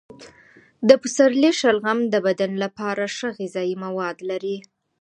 د پسرلي شلغم د بدن لپاره ښه غذايي مواد لري.